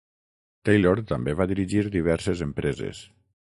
Taylor també va dirigir diverses empreses.